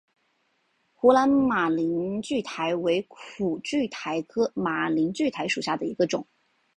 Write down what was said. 湖南马铃苣苔为苦苣苔科马铃苣苔属下的一个种。